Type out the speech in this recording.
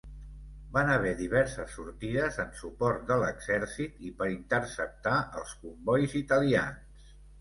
Van haver diverses sortides en suport de l'exèrcit i per interceptar els combois italians.